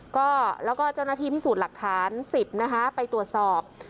ก็แล้วก็เจ้าหน้าที่พิสูจน์หลักฐาน๑๐นะคะไปตรวจสอบ